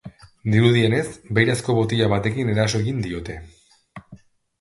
Dirudienez, beirazko botila batekin eraso egin diote.